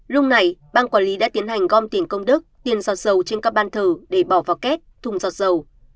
lúc này ban quản lý đã tiến hành gom tiền công đức tiền giọt dầu trên các ban thờ để bỏ vào két thùng giọt dầu